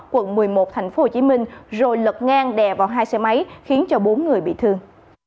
quận một mươi một tp hcm rồi lật ngang đè vào hai xe máy khiến cho bốn người bị thương